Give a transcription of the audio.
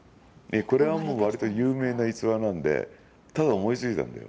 わりと有名な逸話なんでただ思いついたんだよ